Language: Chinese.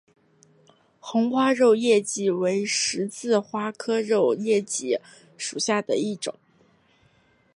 红花肉叶荠为十字花科肉叶荠属下的一个种。